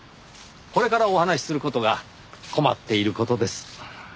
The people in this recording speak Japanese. これからお話しする事が困っている事です。